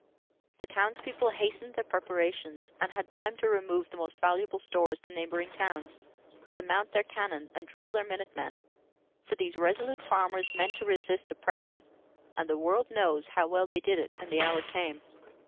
The town's people hastened their preparations, and had time to remove the most valuable stores to neighboring towns; to mount their cannon and drill their minute men; for these resolute farmers meant to resist oppression, and the world knows how well they did it when the hour came.